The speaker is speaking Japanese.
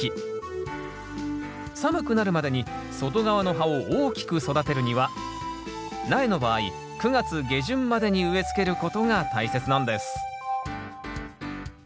寒くなるまでに外側の葉を大きく育てるには苗の場合９月下旬までに植え付けることが大切なんです